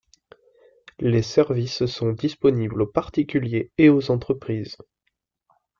Les services sont disponibles aux particuliers et aux entreprises.